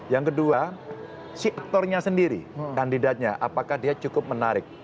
yang kedua si aktornya sendiri kandidatnya apakah dia cukup menarik